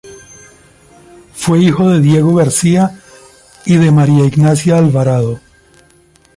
Fue hijo de Diego García y de María Ignacia Alvarado.